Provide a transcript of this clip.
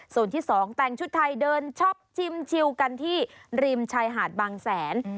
ส่วนที่สองแต่งชุดไทยเดินช็อปชิมชิวกันที่ริมชายหาดบางแสน